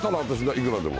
いくらでも。